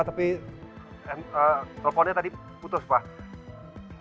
tapi teleponnya tadi putus pak